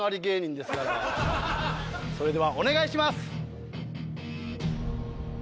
それではお願いします！